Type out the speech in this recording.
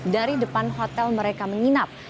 dari depan hotel mereka menginap